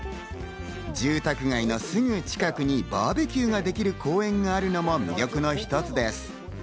住宅街のすぐ近くにバーベキューができる公園があるのも魅力の一つです。